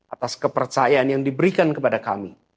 atas kepercayaan yang diberikan kepada kami